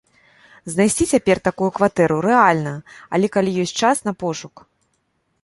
Знайсці цяпер такую кватэру рэальна, але, калі ёсць час на пошук.